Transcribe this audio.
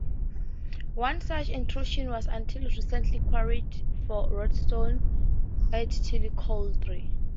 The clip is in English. One such intrusion was until recently quarried for roadstone at Tillicoultry.